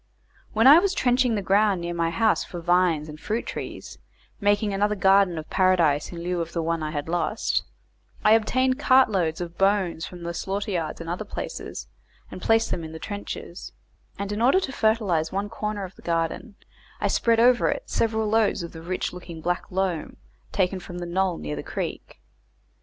When I was trenching the ground near my house for vines and fruit trees, making another garden of paradise in lieu of the one I had lost, I obtained cart loads of bones from the slaughter yards and other places, and placed them in trenches; and in order to fertilize one corner of the garden, I spread over it several loads of the rich looking black loam taken from the knoll near the creek.